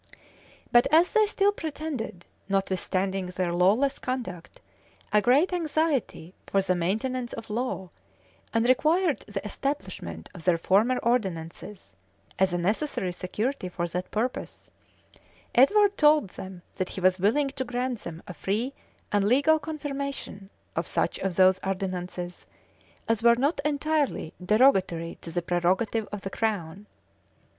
But as they still pretended, notwithstanding their lawless conduct, a great anxiety for the maintenance of law, and required the establishment of their former ordinances, as a necessary security for that purpose, Edward told them that he was willing to grant them a free and legal confirmation of such of those ordinances as were not entirely derogatory to the prerogative of the crown.